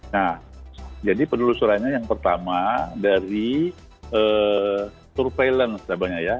nah jadi penelusurannya yang pertama dari surveillance namanya ya